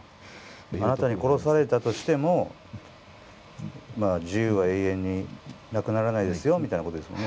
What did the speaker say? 「あなたに殺されたとしても自由は永遠になくならないですよ」みたいなことですもんね。